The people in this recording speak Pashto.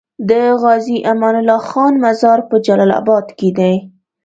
د غازي امان الله خان مزار په جلال اباد کی دی